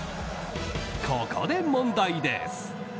ここで問題です。